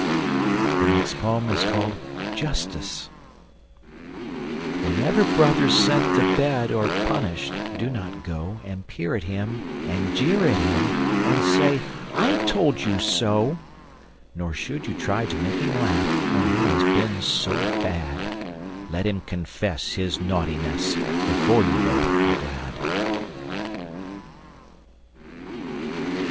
[Illustration: Justice] JUSTICE Whenever brother's sent to bed, Or punished, do not go And peer at him and jeer at him, And say, "I told you so!" Nor should you try to make him laugh When he has been so bad; Let him confess his naughtiness Before you both are glad!